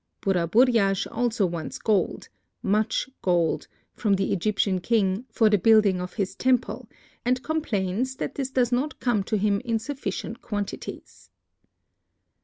Burraburyash also wants gold, "much gold" from the Egyptian king, for the building of his temple, and complains that this does not come to him in sufficient quantities.